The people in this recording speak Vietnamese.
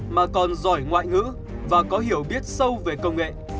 mà còn giỏi ngoại ngữ và có hiểu biết sâu về công nghệ